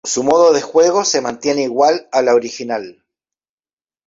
Su modo de juego se mantiene igual a la original.